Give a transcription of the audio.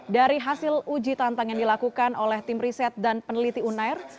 dari hasil uji tantang yang dilakukan oleh tim riset dan peneliti unair